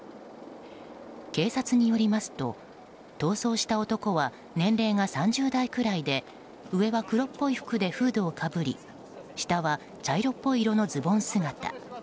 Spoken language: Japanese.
警察によりますと逃走した男は年齢が３０代くらいで上は黒っぽい服でフードをかぶり下は茶色っぽい色のズボン姿。